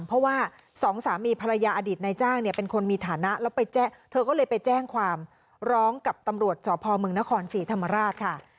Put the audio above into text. เพราะว่าสองสามีภรรยาอดีตนายจ้างเนี่ยเป็นคนมีฐานะแล้วไปแจ้งเธอก็เลยไปแจ้งความร้องกับตำรวจสพมนครศรีธรรมราชค่ะ